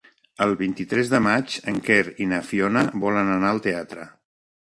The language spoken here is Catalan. El vint-i-tres de maig en Quer i na Fiona volen anar al teatre.